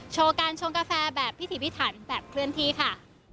โชว์การชงกาแฟแบบพิถีพิถันแบบเคลื่อนที่ค่ะ